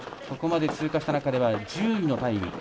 ここまで通過した中では１０位のタイム。